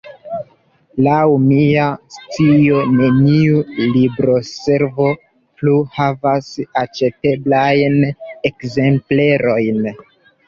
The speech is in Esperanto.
Laŭ mia scio neniu libroservo plu havas aĉeteblajn ekzemplerojn.